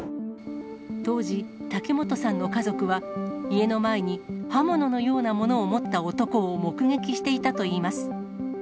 当時、滝本さんの家族は、家の前に刃物のようなものを持った男を目撃していたといいます。